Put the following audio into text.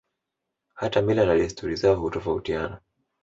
Hata mila na desturi zao hutofautiana